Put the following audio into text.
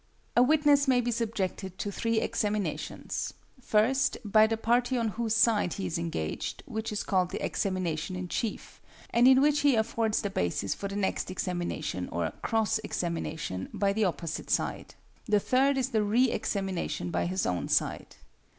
A witness may be subjected to three examinations: first, by the party on whose side he is engaged, which is called the 'examination in chief,' and in which he affords the basis for the next examination or 'cross examination' by the opposite side. The third is the 're examination' by his own side.